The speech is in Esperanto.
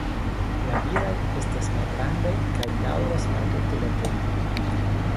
La viraj estas malgrandaj kaj daŭras malmulte da tempo.